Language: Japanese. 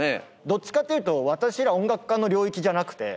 どっちかというと私ら音楽家の領域じゃなくて。